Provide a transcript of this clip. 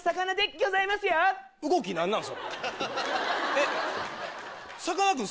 えっさかなクン